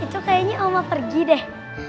itu kayaknya oma pergi deh